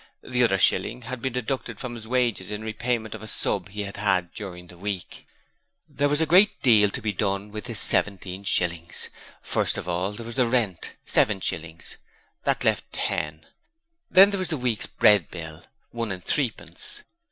The other shilling had been deducted from his wages in repayment of a 'sub' he had had during the week. There was a great deal to be done with this seventeen shillings. First of all there was the rent seven shillings that left ten. Then there was the week's bread bill one and threepence.